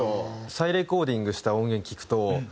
再レコーディングした音源聴くと。